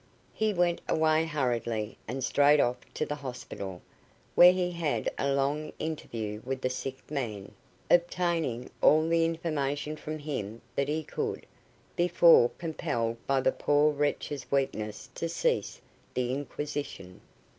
He went away hurriedly, and straight off to the hospital, where he had a long interview with the sick man, obtaining all the information from him that he could, before compelled by the poor wretch's weakness to cease the inquisition.